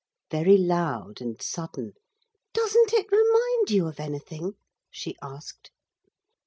very loud and sudden, 'doesn't it remind you of anything?' she asked.